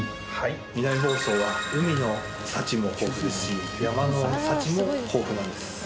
南房総は海の幸も豊富ですし山の幸も豊富なんです。